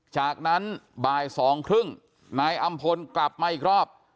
จากนั้นบ่าย๒๓๐นายอำพลกลับมาอีกรอบ